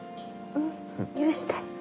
うん許して。